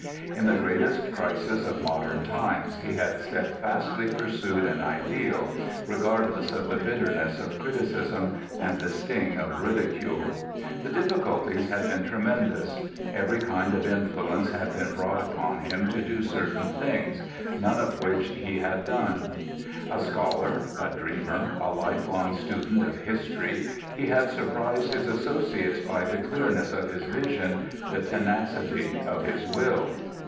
In the greatest crisis of modern times he had steadfastly pursued an ideal, regardless of the bitterness of criticism and the sting of ridicule. The difficulties had been tremendous. Every kind of influence had been brought upon him to do certain things, none of which he had done. A scholar, a dreamer, a lifelong student of history, he had surprised his associates by the clearness of his vision, the tenacity of his will.